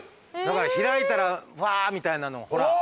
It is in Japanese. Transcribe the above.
だから開いたらブワッみたいなのほら。